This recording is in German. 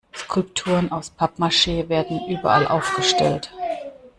Skulpturen aus Pappmaschee werden überall aufgestellt.